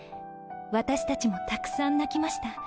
私たちもたくさん泣きました。